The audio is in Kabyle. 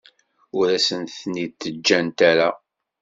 Ur asent-ten-id-ǧǧant ara.